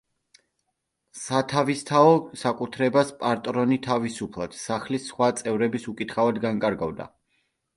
სათავისთაო საკუთრებას პატრონი თავისუფლად, სახლის სხვა წევრების უკითხავად, განკარგავდა.